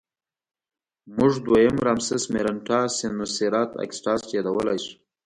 موږ دویم رامسس مېرنټاه سینوسېراټ اګسټاس یادولی شو.